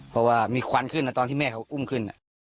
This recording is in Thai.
เพราะว่ามีควันขึ้นตอนที่แม่เขาอุ้มขึ้น